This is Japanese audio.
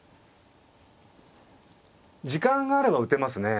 時間があれば打てますね。